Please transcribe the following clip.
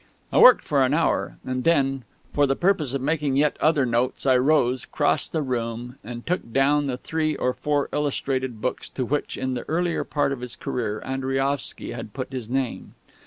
I worked for an hour; and then, for the purpose of making yet other notes, I rose, crossed the room, and took down the three or four illustrated books to which, in the earlier part of his career, Andriaovsky had put his name.